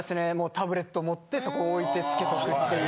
タブレット持ってそこ置いてつけとくっていう。